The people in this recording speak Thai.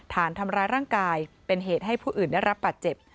ฐานทำร้ายร่างกายเป็นเหตุให้ผู้อื่นได้รับบาดเจ็บ